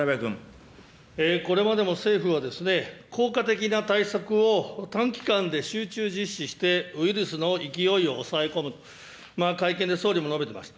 これまでも政府は、効果的な対策を短期間で集中実施して、ウイルスの勢いを抑え込むと、会見で総理も述べています。